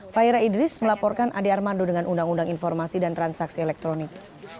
fahira idris melaporkan ade armando dengan undang undang informasi dan transaksi elektronik